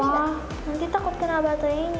wah nanti takut kena baterainya